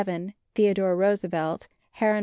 Theodore Roosevelt, Medora, N.